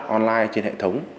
online trên hệ thống